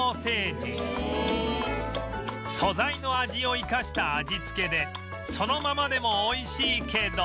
素材の味を生かした味付けでそのままでも美味しいけど